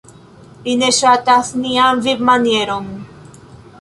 Li ne ŝatas nian vivmanieron.